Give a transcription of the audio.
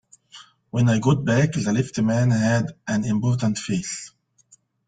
When I got back the lift-man had an important face.